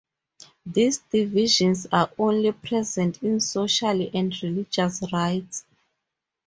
These divisions are only present in social and religious rites.